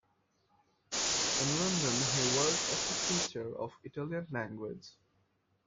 In London he worked as a teacher of Italian language.